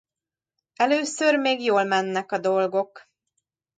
Először még jól mennek a dolgok.